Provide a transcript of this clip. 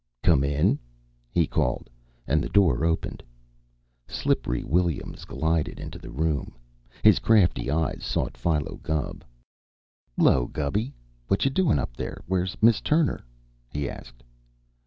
"Come in!" he called, and the door opened. "Slippery" Williams glided into the room. His crafty eyes sought Philo Gubb. "'Lo, Gubby! Watcha doin' up there? Where's Miss Turner?" he asked.